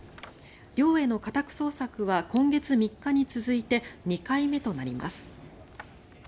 寮への家宅捜索は今月３日に続いて２回目となります。